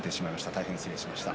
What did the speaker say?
大変失礼しました。